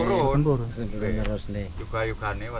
juga anak anaknya berada di bawah